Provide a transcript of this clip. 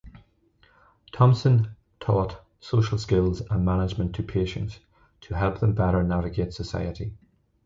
Thompson taught social skills and management to patients to help them better navigate society.